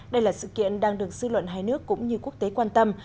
đây là sự kiện đang được dư luận hai nước cũng như quốc tế quan tâm